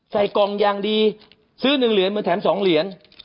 ใส่กองยังดีซื้อหนึ่งเหรียญเหมือนแถมสองเหรียญ